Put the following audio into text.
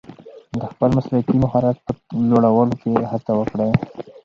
د خپل مسلکي مهارت په لوړولو کې هڅه وکړئ.